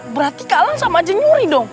berarti kak alang sama aja nyuri dong